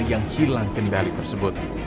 yang hilang kendali tersebut